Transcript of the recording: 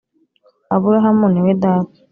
Aburahamu ni we data